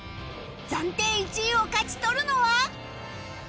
暫定１位を勝ち取るのは